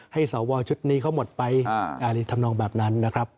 ให้สาววอลชุดนี้เข้าหมดไปอาริธรรมนองแบบนั้น